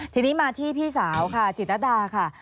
ทีนี้มาที่พี่สาวจิตรดา